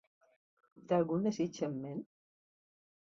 Té algun desig en ment?